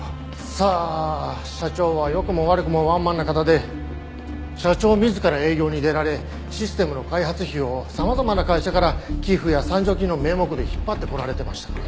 さあ社長は良くも悪くもワンマンな方で社長自ら営業に出られシステムの開発費を様々な会社から寄付や賛助金の名目で引っ張ってこられてましたから。